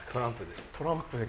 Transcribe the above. トランプで。